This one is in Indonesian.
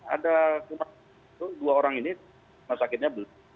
ada rumah sakit itu dua orang ini rumah sakitnya belum